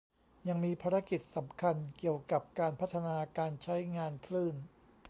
ยังมีภารกิจสำคัญเกี่ยวกับการพัฒนาการใช้งานคลื่น